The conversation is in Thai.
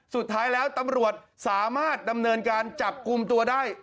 สุดท้ายแล้วตำรวจสามารถดำเนินการจับกลุ่มตัวได้